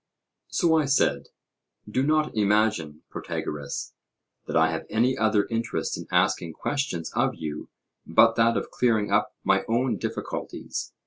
So I said: Do not imagine, Protagoras, that I have any other interest in asking questions of you but that of clearing up my own difficulties.